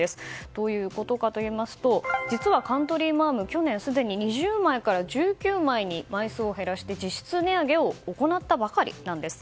どういうことかといいますと実はカントリーマアム去年すでに２０枚から１９枚に枚数を減らして、実質値上げを行ったばかりなんです。